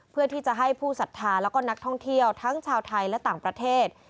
เพื่อที่จะให้ผู้ศรัทธาแล้วก็นักท่องเที่ยวทั้งชาวไทยและต่างประเทศ